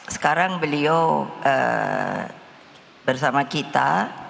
sekarang beliau bersama kita